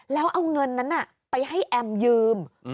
แล้วเอาเงินนั้นไปให้แอมยืม